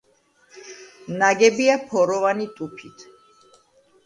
ნაგებია ფოროვანი ტუფით.